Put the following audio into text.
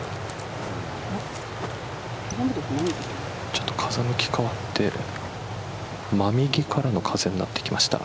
ちょっと、風向き変わって真右からの風になってきました